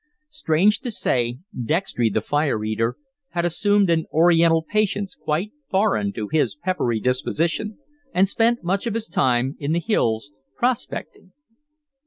Strange to say, Dextry, the fire eater, had assumed an Oriental patience quite foreign to his peppery disposition, and spent much of his time in the hills prospecting.